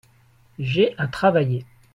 J'ai à travailler.